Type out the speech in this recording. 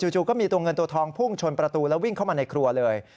จู่ก็มีตัวเงินตัวทองพุ่งชนประตูแล้ววิ่งเข้ามาในครัวเลย